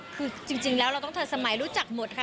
คือจริงแล้วเราต้องทันสมัยรู้จักหมดค่ะ